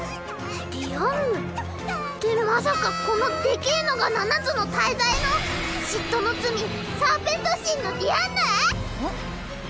ディアンヌってまさかこのでけぇのが七つの大罪の嫉妬の罪嫉妬の罪のディアンヌ⁉ん？